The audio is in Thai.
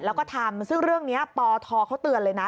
แล้วก็ทำซึ่งเรื่องนี้ปทเขาเตือนเลยนะ